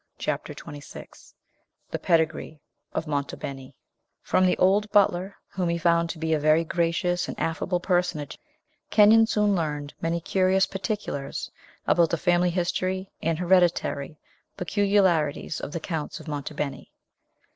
CHAPTER XXVI THE PEDIGREE OF MONTE BENI From the old butler, whom he found to be a very gracious and affable personage, Kenyon soon learned many curious particulars about the family history and hereditary peculiarities of the Counts of Monte Beni.